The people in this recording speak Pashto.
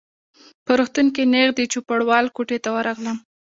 په روغتون کي نیغ د چوپړوال کوټې ته ورغلم.